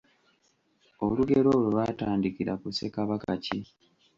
Olugero olwo lwatandikira ku Ssekabaka ki?